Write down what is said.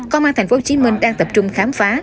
công an tp hcm đang tập trung khám phá